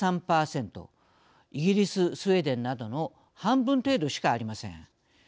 イギリススウェーデンなどの半分程度しかありません。